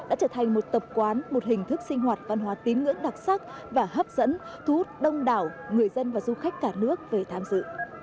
đền trần đã trở thành một tập quả một hình thức sinh hoạt văn hóa tím ngưỡng đặc sắc và hấp dẫn thu hút đông đảo người dân và du khách cả nước về tham dự